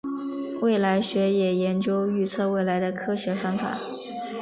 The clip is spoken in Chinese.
未来学也研究预测未来的科学方法。